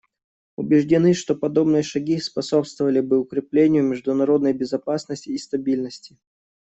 Убеждены, что подобные шаги способствовали бы укреплению международной безопасности и стабильности.